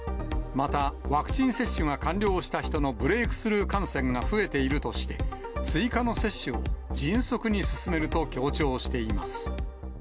また、ワクチン接種が完了した人のブレークスルー感染が増えているとして、追加の接種を迅速に進めると強調しています。